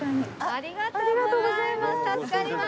ありがとうございます。